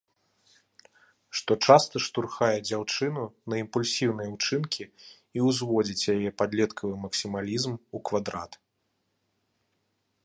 Што часта штурхае дзяўчыну на імпульсіўныя ўчынкі і ўзводзіць яе падлеткавы максімалізм ў квадрат.